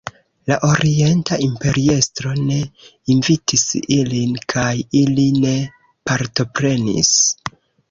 La orienta imperiestro ne invitis ilin kaj ili ne partoprenis.